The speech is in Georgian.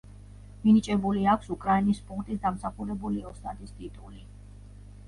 მინიჭებული აქვს უკრაინის სპორტის დამსახურებული ოსტატის ტიტული.